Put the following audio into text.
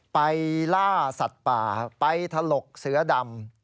ล่าสัตว์ป่าไปถลกเสือดำ